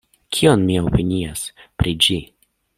Kion mi opinias pri ĝi?